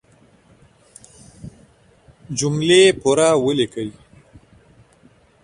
جملې پوره وليکئ!